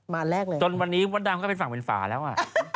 มาแรกเลยจนวันนี้วันดำก็ไปฝั่งเป็นฝ่าแล้วอะ